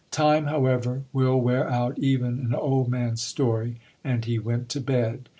Time, however, will wear out even an old man's story, and he went to bed.